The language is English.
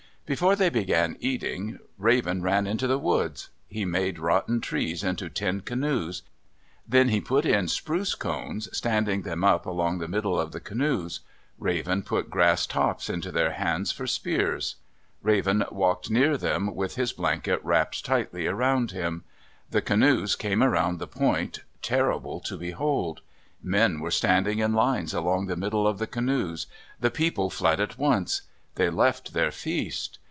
Before they began eating, Raven ran into the woods. He made rotten trees into ten canoes. Then he put in spruce cones, standing them up along the middle of the canoes. Raven put grass tops into their hands for spears. Raven walked near them, with his blanket wrapped tightly around him. The canoes came around the point, terrible to behold! Men were standing in lines along the middle of the canoes. The people fled at once. They left their feast.